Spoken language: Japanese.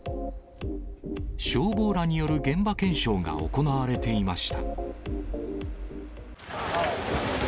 消防らによる現場検証が行われていました。